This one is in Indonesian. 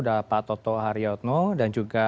dan pak toto hariyotno dan juga